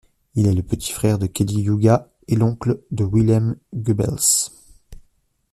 Il est le petit frère de Kelly Youga et l'oncle de Willem Geubbels.